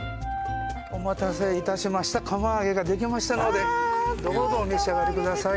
お待たせいたしました釜揚げができましたのでどうぞお召し上がりください